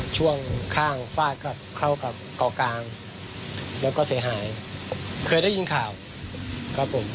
ช่วงข้างฟาดกับเข้ากับเกาะกลางแล้วก็เสียหายเคยได้ยินข่าวครับผม